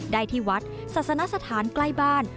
ได้ที่วัดศาสนสถานใกล้บ้าน